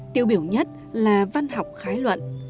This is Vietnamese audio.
tiêu biểu nhất là văn học khái luận